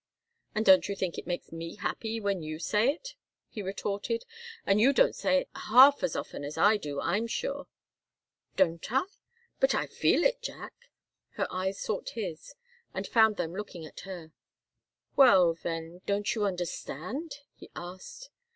"And don't you think it makes me happy when you say it?" he retorted. "And you don't say it half as often as I do, I'm sure." "Don't I? But I feel it, Jack." Her eyes sought his, and found them looking at her. "Well then don't you understand?" he asked.